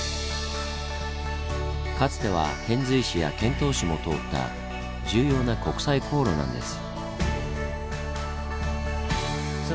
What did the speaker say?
かつては遣隋使や遣唐使も通った重要な国際航路なんです。